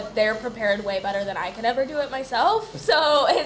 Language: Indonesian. tapi mereka lebih siap daripada aku sendiri